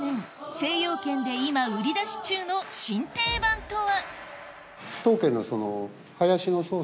精養軒で今売り出し中の新定番とは？